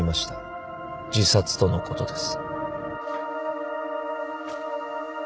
自殺とのことです。